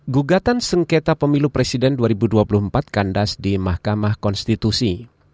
gugatan sengketa pemilu presiden dua ribu dua puluh empat kandas di mahkamah konstitusi